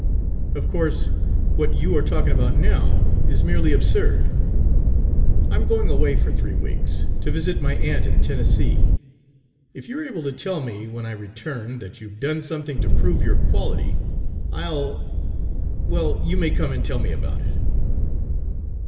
"Of course, what you are talking about now is merely absurd. I'm going away for three weeks, to visit my aunt in Tennessee. If you're able to tell me, when I return, that you 've done something to prove your quality, I'll well, you may come and tell me about it."